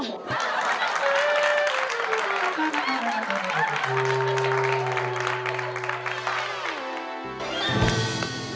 อืม